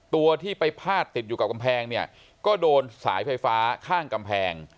ตัวที่ไปพาดติดอยู่กับกำแพงเนี่ยก็โดนสายไฟฟ้าข้างกำแพง